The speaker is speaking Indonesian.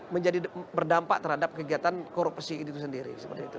menjadi berdampak terhadap kegiatan korupsi itu sendiri